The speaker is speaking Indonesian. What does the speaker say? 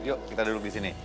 yuk kita duduk disini